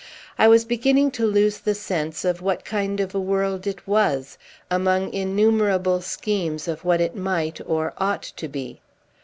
I was beginning to lose the sense of what kind of a world it was, among innumerable schemes of what it might or ought to be.